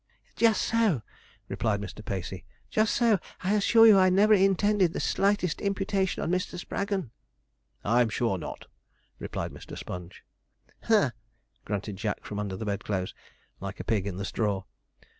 'Just so,' replied Mr. Pacey, 'just so. I assure you I never intended the slightest imputation on Mr. Spraggon.' 'I'm sure not,' replied Mr. Sponge. 'H u m p h,' grunted Jack from under the bedclothes, like a pig in the straw.